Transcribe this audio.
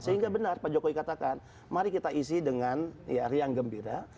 sehingga benar pak jokowi katakan mari kita isi dengan riang gembira